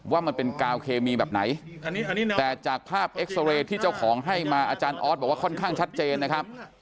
ว่ามันเป็นกาวเคมีแบบไหนแต่จากภาพเอ็กซอเรย์ที่เจ้าของให้มาอาจารย์ออสบอกว่าค่อนข้างชัดเจนนะครับ